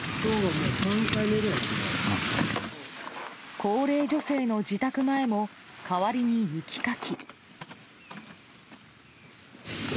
高齢者の女性の自宅前も代わりに雪かき。